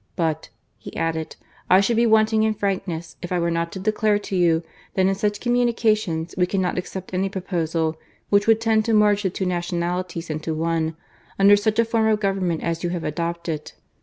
" But," he added, " I should be wanting in frankness if I were not to declare to you that in such communications we cannot accept any proposal which would tend to merge the two nationalities into one, under such a form of govern ment as you have adopted.